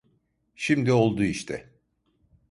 Şimdi oldu işte.